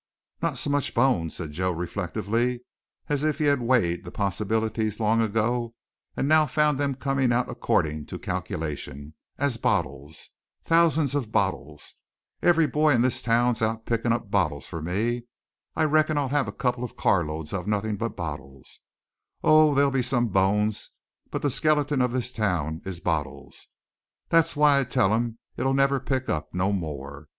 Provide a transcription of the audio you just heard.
"Not so much bones," said Joe reflectively, as if he had weighed the possibilities long ago and now found them coming out according to calculation, "as bottles. Thousands of bottles, every boy in this town's out a pickin' up bottles for me. I reckon I'll have a couple of carloads of nothing but bottles. Oh h h, they'll be some bones, but the skeleton of this town is bottles. That's why I tell 'em it never will pick up no more.